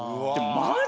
マジ！？